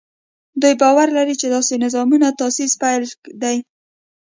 دوی باور لري چې داسې نظامونو تاسیس پیل دی.